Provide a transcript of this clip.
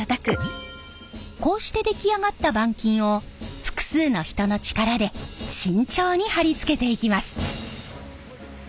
こうして出来上がった板金を複数の人の力で慎重に貼り付けていきます。